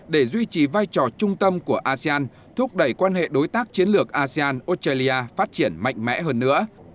để duy trì vai trò trung tâm của asean thúc đẩy quan hệ đối tác chiến lược asean australia phát triển mạnh mẽ hơn nữa